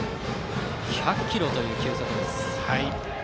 １００キロという球速です。